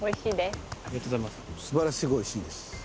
すばらしくおいしいです